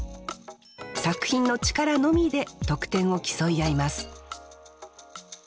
作品の力のみで得点を競い合います